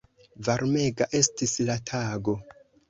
Varmega estis la tago.